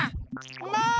もう！